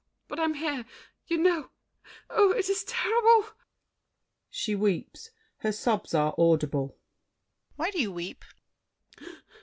But I'm here—you know— Oh, it is terrible! [She weeps; her sobs are audible. DIDIER. Why do you weep?